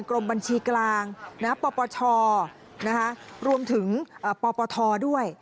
กรมบัญชีกลางปปชรวมถึงปปทด้วย